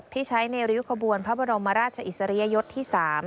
ที่ใช้ในริ้วขบวนพระบรมราชอิสริยยศที่๓